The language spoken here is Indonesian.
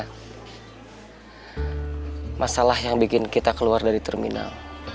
karena masalah yang bikin kita keluar dari terminal